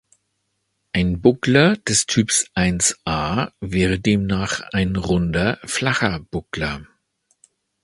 Ein Buckler des Typs Ia wäre demnach ein runder, flacher Buckler.